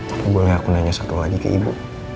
ibu boleh aku nanya satu lagi ke ibu